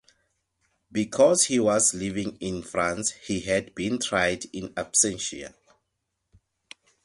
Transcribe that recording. Because he was living in France, he had been tried "in absentia".